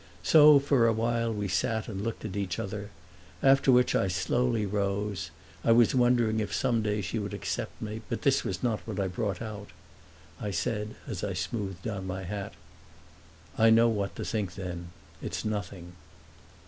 So for a while we sat and looked at each other; after which I slowly rose, I was wondering if some day she would accept me; but this was not what I brought out. I said as I smoothed down my hat: "I know what to think then. It's nothing!"